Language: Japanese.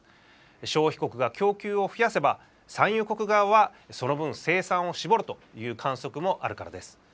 消費国が供給を増やせば、産油国側はその分、生産を絞るという観測もあるからです。